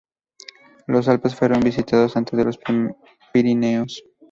Los Alpes fueron visitados antes de los Pirineos.